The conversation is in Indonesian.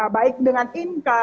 baik dengan inka